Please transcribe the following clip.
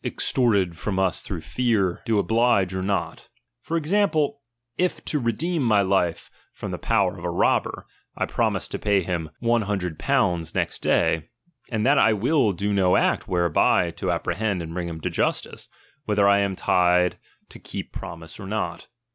extorted from us through fear, do oblige or not. "".■ For example, if, to redeem my life from the power ft»ir. a. throiiKh of a robber, I promise to pay him 100/. next day, vXriniiieiitawaiid that I will do no act whereby to apprehend Dfuuiiirr , and bring him to justice: whether I am tied to keep promise or not.